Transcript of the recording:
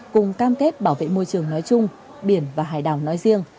cùng cam kết bảo vệ môi trường nói chung biển và hải đảo nói riêng